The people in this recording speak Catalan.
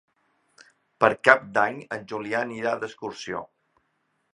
Per Cap d'Any en Julià anirà d'excursió.